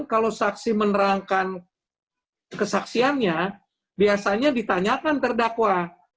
kalau saksi menerangkan kesaksiannya biasanya ditanyakan terdakwa